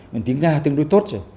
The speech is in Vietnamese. mình tiếng nga tương đối tốt rồi